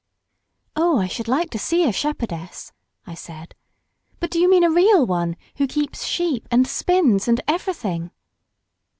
"Oh, I should like to see a shepherdess," I said. "But do you mean a real one who keeps sheep and spins and everything?"